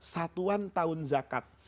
satuan tahun zakat